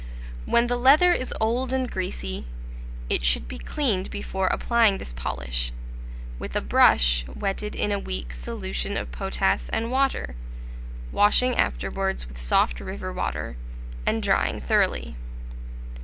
When the leather is old and greasy, it should be cleaned before applying this polish, with a brush wetted in a weak solution of potass and water, washing afterwards with soft river water, and drying thoroughly.